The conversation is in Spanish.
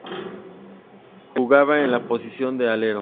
Jugaba en la posición de alero.